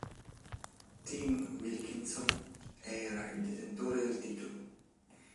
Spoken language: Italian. Tim Wilkison era il detentore del titolo.